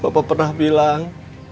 bapak pernah bilang